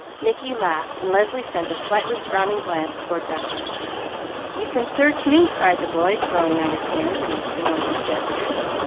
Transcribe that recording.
Mickey laughed, and Leslie sent a slightly frowning glance toward Douglas. "You can search me!" cried the boy, throwing out his hands in his familiar gesture.